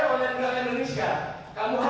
kalau bisa silahkan